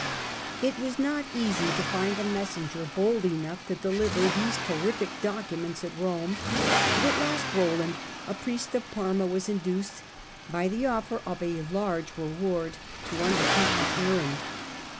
It was not easy to find a messenger bold enough to deliver these terrific documents at Rome; but at last Announce I^ol^nd, a prfest of Parma, was induced, by S'^iwsitton* *^®^^®^^^^ large reward, to undertake the in Rome errand.